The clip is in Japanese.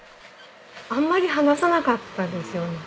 あんまり話さなかったですよね。